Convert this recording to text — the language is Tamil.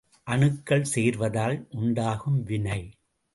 அணுக்கள் சேர்வதால் உண்டாகும் வினை.